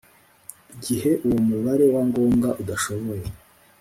Gihe uwo mubare wa ngombwa udashoboye